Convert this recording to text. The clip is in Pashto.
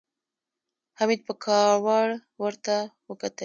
حميد په کاوړ ورته وکتل.